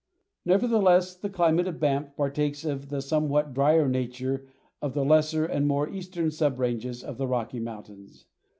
Nevertheless, the climate of Banff partakes of the somewhat dryer nature of the lesser and more eastern sub ranges of the Rocky Mountains.